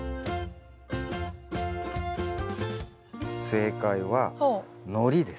正解はのりです。